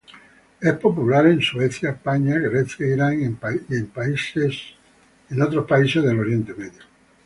Es popular en Suecia, España, Grecia, Irán, y en países otros del Oriente Medio.